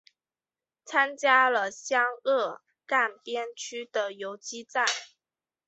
参加了湘鄂赣边区的游击战。